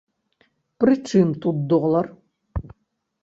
Пры чым тут долар?